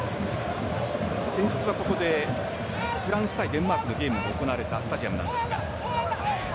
先日は、ここでフランス対デンマークのゲームが行われたスタジアムなんですが。